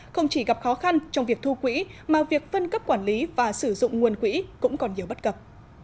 không chỉ gặp khó khăn trong việc thu quỹ mà việc phân cấp quản lý và sử dụng nguồn quỹ cũng còn nhiều bất cập